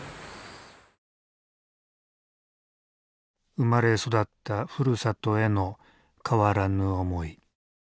生まれ育ったふるさとへの変わらぬ思い。